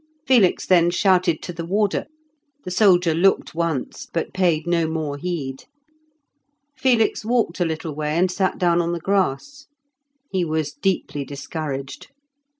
Felix then shouted to the warder; the soldier looked once, but paid no more heed. Felix walked a little way and sat down on the grass. He was deeply discouraged.